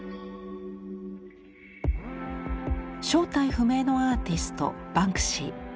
正体不明のアーティストバンクシー。